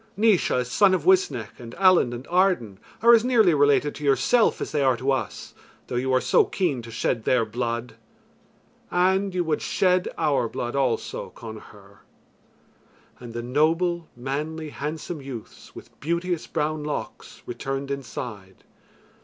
Naois, son of Uisnech, and Allen and Arden are as nearly related to yourself as they are to us, though you are so keen to shed their blood, and you would shed our blood also, Connachar." And the noble, manly, handsome youths with beauteous, brown locks returned inside.